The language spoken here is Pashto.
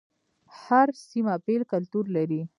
هر سيمه بیل کلتور لري